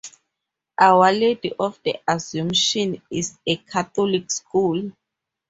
Our Lady of the Assumption is a Catholic school.